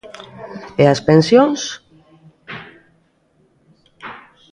E as pensións?